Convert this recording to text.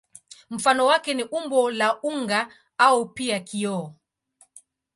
Mfano wake ni umbo la unga au pia kioo.